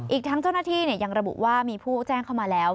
อีกทั้งเจ้าหน้าที่ยังระบุว่ามีผู้แจ้งเข้ามาแล้ว